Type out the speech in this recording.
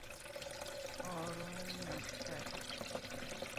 آرای متشتت